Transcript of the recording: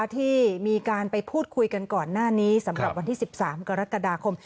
ที่มีการไปพูดคุยกันก่อนหน้านี้สำหรับวันที่๑๓กรกฎาคม